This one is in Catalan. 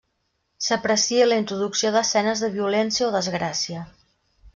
S'aprecia la introducció d'escenes de violència o desgràcia.